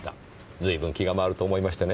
随分気が回ると思いましてね。